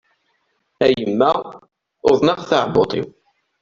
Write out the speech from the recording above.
A yemma, uḍneɣ taɛebbuḍt-iw!